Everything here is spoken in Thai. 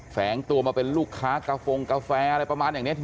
แฝงตัวมาเป็นลูกค้ากาโฟงกาแฟอะไรประมาณอย่างนี้